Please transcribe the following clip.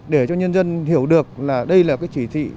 để cho nhân dân hiểu được là đây là cái chỉ thị